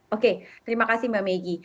oke terima kasih mbak megi